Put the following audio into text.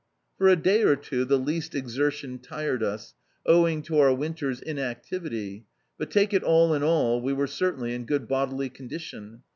For a day or two the least exertion tired us, owing to our winter's inactivity, but take it all in all, we were certainly in good bodily condition.